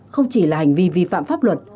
không chỉ là hành vi vi phạm pháp luật